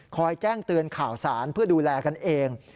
แจ้งเตือนข่าวสารเพื่อดูแลกันเอง